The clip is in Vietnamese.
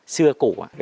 xưa cũ ạ